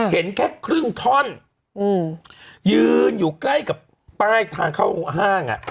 เห็นแค่ครึ่งท่อนยืนอยู่ใกล้กับป้ายทางเข้าห้างอ่ะ